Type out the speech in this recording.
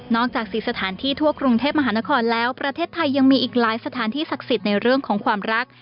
จาก๔สถานที่ทั่วกรุงเทพมหานครแล้วประเทศไทยยังมีอีกหลายสถานที่ศักดิ์สิทธิ์ในเรื่องของความรัก